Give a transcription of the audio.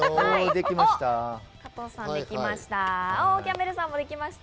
加藤さん、できました。